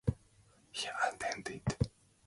He attended Brisbane State High School.